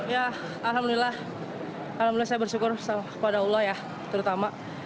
ya alhamdulillah alhamdulillah saya bersyukur kepada allah ya terutama